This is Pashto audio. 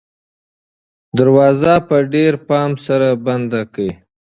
دروازه په ډېر پام سره بنده کړه.